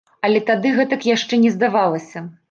Але тады гэтак яшчэ не здавалася.